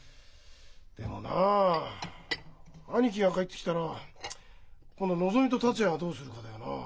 でもなあ兄貴が帰ってきたら今度のぞみと達也がどうするかだよな。